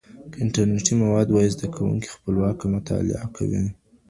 که انټرنېټي مواد وي، زده کوونکي خپلواکه مطالعه کوي.